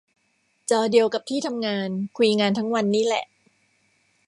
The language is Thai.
จอเดียวกับที่ทำงาน คุยงานทั้งวันนี่แหละ